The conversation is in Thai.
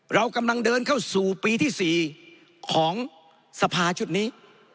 เรากำลังเดินเข้าสู่ปีที่๔ของสภาชุดนี้